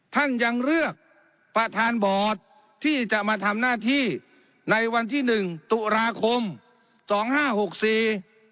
ท่านยังเลือกประธานบอร์ดที่จะมาทำหน้าที่ในวันที่หนึ่งตุลาคมสองห้าหกสี่